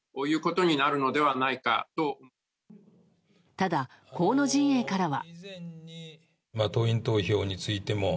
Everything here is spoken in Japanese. ただ河野陣営からは。